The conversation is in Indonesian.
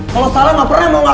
kalo salah gak pernah mau ngaku